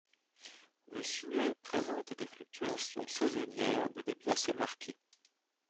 Le Sioulet présente des fluctuations saisonnières de débit assez marquées.